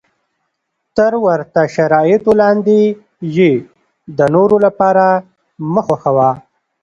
تر ورته شرایطو لاندې یې د نورو لپاره مه خوښوه.